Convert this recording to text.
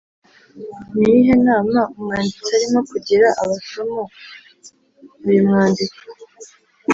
Ni iyihe nama umwanditsi arimo kugira abasoma uyu mwandiko?